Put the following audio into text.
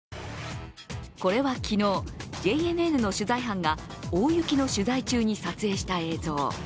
これは昨日、ＪＮＮの取材班が大雪の取材中に撮影した映像。